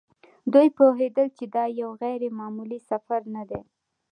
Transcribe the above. دوی پوهېدل چې دا یو غیر معمولي سفر نه دی.